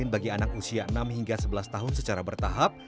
bagi anak usia enam hingga sebelas tahun secara bertahap